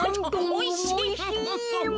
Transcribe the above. おいしい。